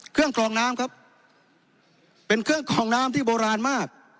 เครื่องกล่องน้ำครับเป็นเครื่องกล่องน้ำที่โบราณมาก